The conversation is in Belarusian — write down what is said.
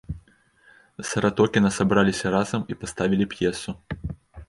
Саратокіна сабраліся разам і паставілі п'есу.